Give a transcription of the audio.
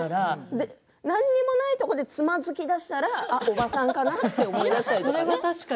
何もないところでつまずきだしたらあ、おばさんかなと思いだしたりとか。